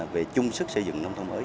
về chung sức xây dựng nông thôn mới